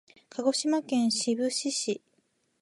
鹿児島県志布志市